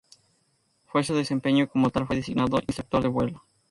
Por su desempeño como tal fue designado instructor de vuelo.